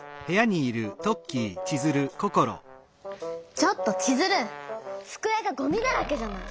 ちょっとチズルつくえがごみだらけじゃない。